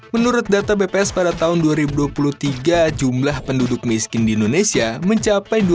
menurut data bps pada tahun dua ribu dua puluh tiga jumlah penduduk miskin di indonesia mencapai